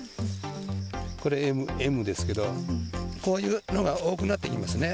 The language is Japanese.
これ、Ｍですけど、こういうのが多くなってきますね。